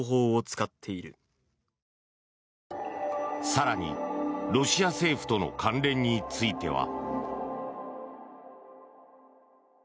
更に、ロシア政府との関連については。